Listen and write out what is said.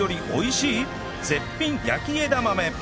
絶品焼き枝豆